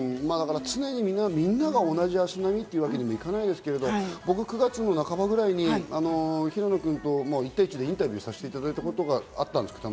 常にみんなが同じ足並みっていうわけにもいかないですけど、僕、９月の半ばぐらいに平野君と１対１でインタビューをさせていただいたことがあったんです。